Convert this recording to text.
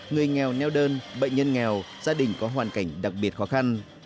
người nghèo neo đơn bệnh nhân nghèo gia đình có hoàn cảnh đặc biệt khó khăn